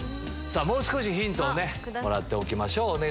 もう少しヒントをねもらっておきましょう。